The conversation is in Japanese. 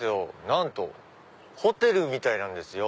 なんとホテルみたいなんですよ。